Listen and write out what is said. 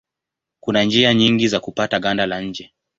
Kuna njia nyingi za kupata ganda la nje.